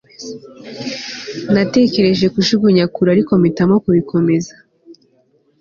Natekereje kujugunya kure ariko mpitamo kubikomeza